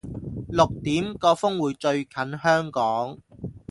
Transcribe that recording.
六點個風會最近香港